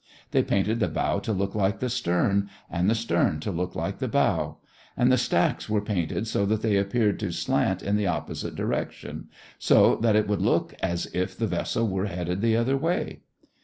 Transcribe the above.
They painted the bow to look like the stern, and the stern to look like the bow, and the stacks were painted so that they appeared to slant in the opposite direction, so that it would look as if the vessel were headed the other way.